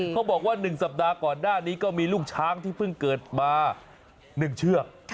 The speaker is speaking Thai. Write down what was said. เขาบอกว่า๑สัปดาห์ก่อนหน้านี้ก็มีลูกช้างที่เพิ่งเกิดมา๑เชือก